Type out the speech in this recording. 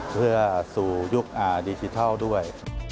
เพื่อสู่ยุคดิจิทัลด้วย